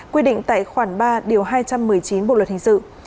quy định tại khoản ba điều hai trăm một mươi chín bộ luật hình sự